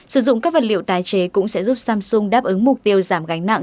sử dụng các vật liệu tái chế cũng sẽ giúp samsung đáp ứng mục tiêu giảm gánh nặng